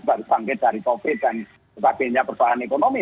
baru bangkit dari covid dan sebagainya persoalan ekonomi